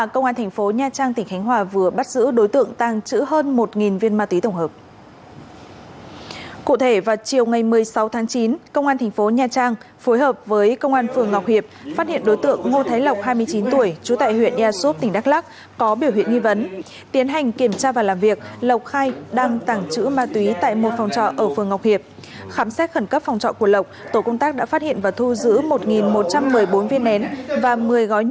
còn tại khánh hòa công an tp nha trang tỉnh khánh hòa vừa bắt giữ đối tượng